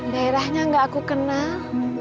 daerahnya nggak aku kenal